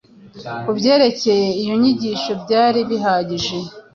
ku byerekeye iyo nyigisho byari bihagije